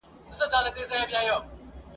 اختر په وینو ..